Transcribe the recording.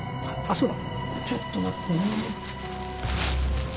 そうだちょっと待ってね